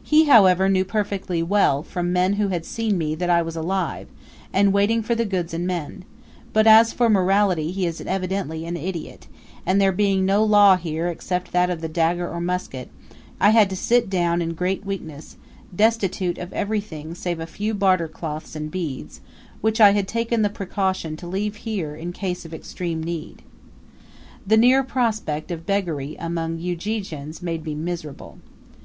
He, however, knew perfectly well, from men who had seen me, that I was alive, and waiting for the goods and men; but as for morality, he is evidently an idiot, and there being no law here except that of the dagger or musket, I had to sit down in great weakness, destitute of everything save a few barter cloths and beads, which I had taken the precaution to leave here in case of extreme need. The near prospect of beggary among Ujijians made me miserable.